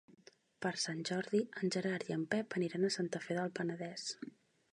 Per Sant Jordi en Gerard i en Pep aniran a Santa Fe del Penedès.